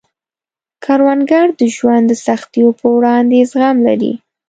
کروندګر د ژوند د سختیو په وړاندې زغم لري